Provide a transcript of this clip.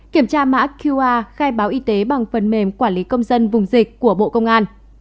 kiểm tra mã qr khai báo y tế bằng phần mềm quản lý công dân vùng dịch của bộ công an